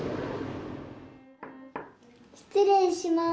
失礼します。